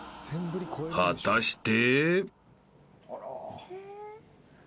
［果たして］